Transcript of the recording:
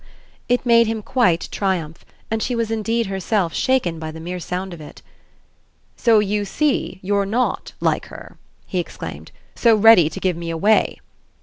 It made him quite triumph, and she was indeed herself shaken by the mere sound of it. "So you see you're not, like her," he exclaimed, "so ready to give me away!"